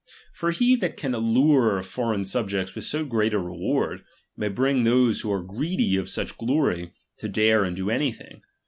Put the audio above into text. For he that can allure foreign subjects with so great a reward, may bring those who are greedy of such glory, to dare and do anything.